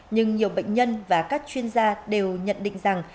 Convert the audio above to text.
nhưng nhiều bệnh nhân và các chuyên gia đều nhận định rằng